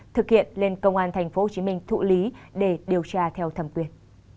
thực hiện lên công an tp hcm thụ lý để điều tra theo thẩm quyền